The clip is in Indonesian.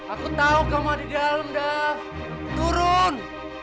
aku tahu kamu ada di dalam dav turun